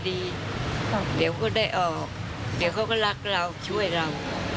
เดี๋ยวก็ได้ออกเดี๋ยวเขาก็รักเราช่วยเรา